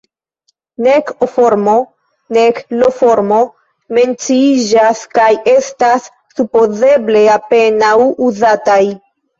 Nek O-formo, nek I-formo menciiĝas, kaj estas supozeble apenaŭ uzataj.